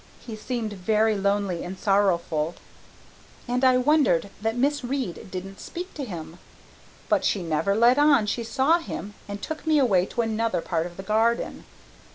He seemed very lonely and sorrowful and I wondered that Miss Reade didn't speak to him. But she never let on she saw him and took me away to another part of the garden.